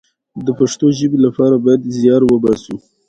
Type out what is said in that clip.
افغانستان د انګور له پلوه متنوع دی.